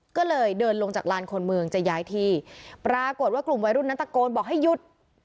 ก็เลยเดินลงจากลานคนเมืองจะย้ายที่ปรากฏว่ากลุ่มวัยรุ่นนั้นตะโกนบอกให้หยุด